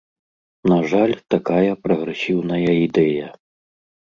На жаль, такая прагрэсіўная ідэя.